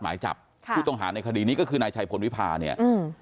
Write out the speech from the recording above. ที่ต้องหาในคดีนี้ก็คือนายชายผลวิภาเนี่ย